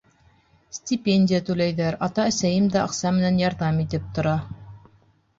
Стипендия түләйҙәр, ата-әсәйем дә аҡса менән ярҙам итеп тора.